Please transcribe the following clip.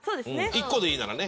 １個でいいならね。